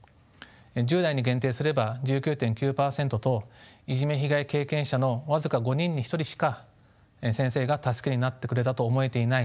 １０代に限定すれば１９．９％といじめ被害経験者の僅か５人に１人しか先生が助けになってくれたと思えていない